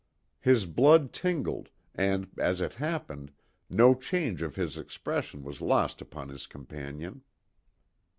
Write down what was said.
His blood tingled and, as it happened, no change of his expression was lost upon his companion.